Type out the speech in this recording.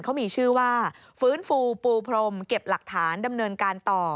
เขามีชื่อว่าฟื้นฟูปูพรมเก็บหลักฐานดำเนินการต่อ